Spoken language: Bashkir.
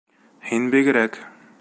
Һин бигерәк!